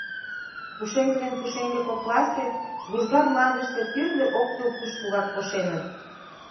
Пушеҥге ден пушеҥге кокласе вужга мландыште тӱрлӧ оккӱл кушкыл-влак пошеныт.